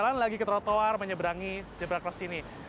sekarang lagi ketrotowar menyeberangi zebra cross ini